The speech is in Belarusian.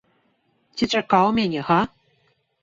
Ці чакаў мяне, га?